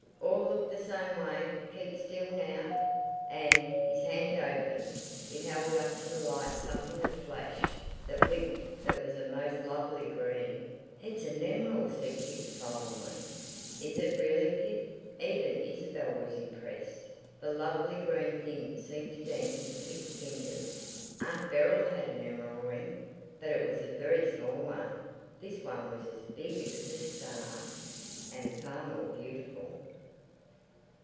"All look the same way! Keep still! Now!" And his hand opened; he held up to the light something that flashed, that winked, that was a most lovely green. "It's a nemeral," said Pip solemnly. "Is it really, Pip?" Even Isabel was impressed. The lovely green thing seemed to dance in Pip's fingers. Aunt Beryl had a nemeral in a ring, but it was a very small one. This one was as big as a star and far more beautiful.